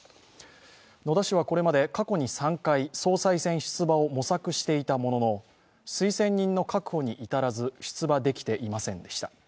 野田氏はこれまで過去に３回、総裁選出馬を模索していたものの、推薦人の確保に至らず、出馬できていませんでした。